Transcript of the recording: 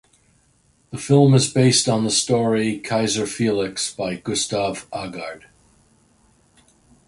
The film is based on the story "Keiser Felix" by Gustav Aagaard.